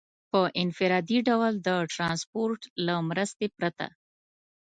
په انفرادي ډول د ټرانسپورټ له مرستې پرته.